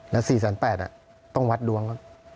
แล้ว๔แสนแปดน่ะต้องวัดดวง